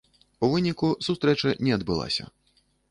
У выніку, сустрэча не адбылася.